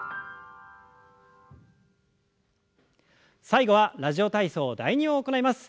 最後は「ラジオ体操第２」を行います。